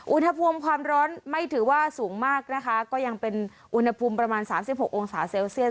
อุณหภูมิความร้อนไม่ถือว่าสูงมากนะคะก็ยังเป็นอุณหภูมิประมาณ๓๖องศาเซลเซียส